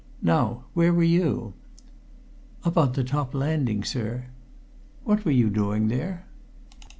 Now where were you?" "Up on the top landing, sir." "What were you doing there?"